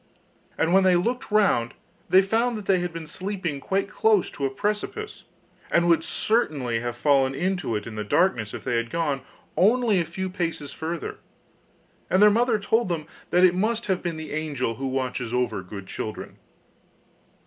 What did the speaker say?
And when they looked round they found that they had been sleeping quite close to a precipice, and would certainly have fallen into it in the darkness if they had gone only a few paces further. And their mother told them that it must have been the angel who watches over good children.